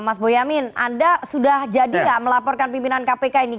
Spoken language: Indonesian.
mas boyamin anda sudah jadi nggak melaporkan pimpinan kpk ini